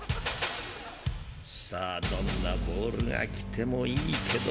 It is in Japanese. ［さあどんなボールが来てもいいけど］